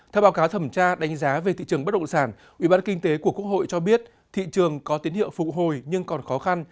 theo báo cáo thẩm tra đánh giá về thị trường bất động sản ubk của quốc hội cho biết thị trường có tiến hiệu phục hồi nhưng còn khó khăn